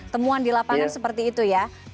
temuan di lapangan seperti itu ya